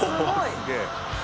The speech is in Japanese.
すげえ。